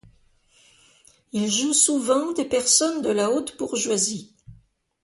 Il joue souvent des personnes de la haute bourgeoisie.